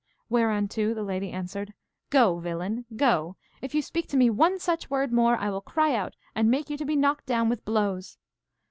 Whereunto the lady answered, Go, villain, go. If you speak to me one such word more, I will cry out and make you to be knocked down with blows.